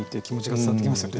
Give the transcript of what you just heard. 伝わってきますよね。